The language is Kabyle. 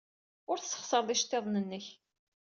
Ur tesxeṣred iceḍḍiḍen-nnek.